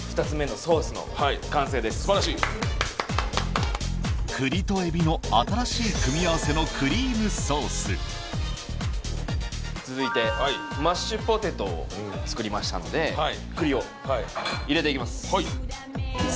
すばらしい栗とエビの新しい組み合わせのクリームソース続いてマッシュポテトを作りましたので栗を入れていきます